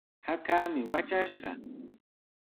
Hakaami watrashqa.